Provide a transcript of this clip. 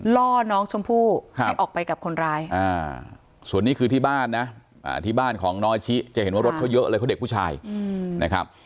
ล่อน้องชมพู่ให้ออกไปกับคนร้ายส่วนนี้คือที่บ้านนะที่บ้านของน้องอาชิจะเห็นว่ารถเขาเยอะเลยเขาเด็กผู้ชายนะครับ